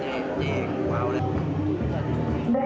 สวัสดีครับ